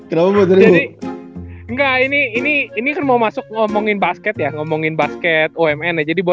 enggak ini ini ini mau masuk ngomongin basket ya ngomongin basket oms jadi buat